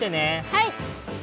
はい！